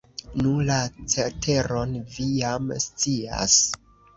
Nu, la ceteron vi jam scias.